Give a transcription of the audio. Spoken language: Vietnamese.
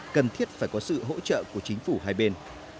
cần thiết phải có sự hỗ trợ của chính phủ hai bên